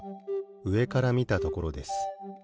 うえからみたところです。